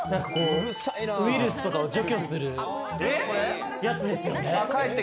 ウイルスとかを除去するやつですよね？